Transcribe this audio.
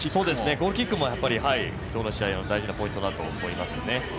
ゴールキックも今日の試合は大事なポイントだと思いますね。